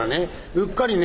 うっかりね